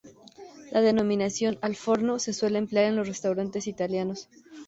La denominación "al forno" se suele emplear en los restaurantes italianos.